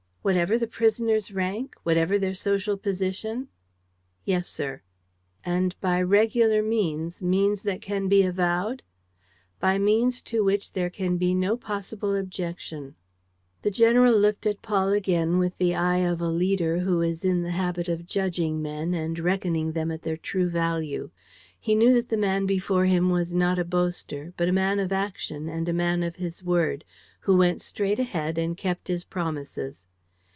"Whatever the prisoners' rank? Whatever their social position?" "Yes, sir." "And by regular means, means that can be avowed?" "By means to which there can be no possible objection." The general looked at Paul again with the eye of a leader who is in the habit of judging men and reckoning them at their true value. He knew that the man before him was not a boaster, but a man of action and a man of his word, who went straight ahead and kept his promises.